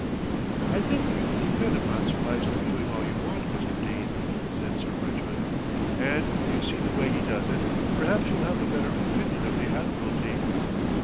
"I think you can depend upon Sir Lyster doing all you want, Mr. Dene," said Sir Bridgman; "and when you see the way he does it, perhaps you'll have a better opinion of the Admiralty."